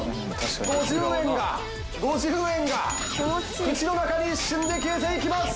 ５０円が５０円が口の中に一瞬で消えていきます。